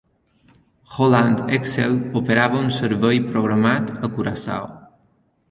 HollandExel operava un servei programat a Curaçao.